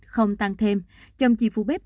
không tăng thêm chồng chị phụ bếp